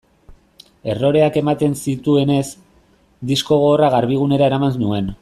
Erroreak ematen zituenez, disko gogorra Garbigunera eraman nuen.